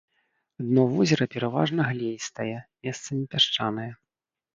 Дно возера пераважна глеістае, месцамі пясчанае.